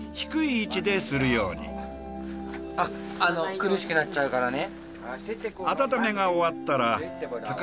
苦しくなっちゃうからね。